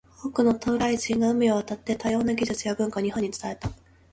多くの渡来人が海を渡って、多様な技術や文化を日本に伝えた。